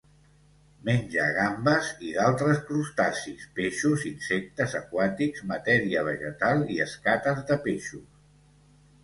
Menja gambes i d'altres crustacis, peixos, insectes aquàtics, matèria vegetal i escates de peixos.